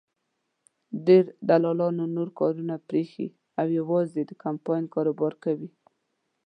ډېرو دلالانو نور کارونه پرېښي او یوازې د کمپاین کاروبار کوي.